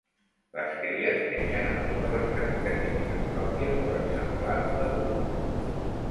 Les cries neixen amb totes les característiques pròpies de l'exemplar adult.